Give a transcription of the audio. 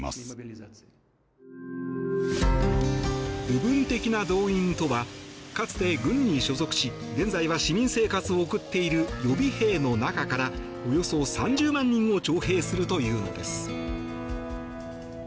部分的な動員とはかつて軍に所属し現在は市民生活を行っている予備兵の中からおよそ３０万人を徴兵するというのです。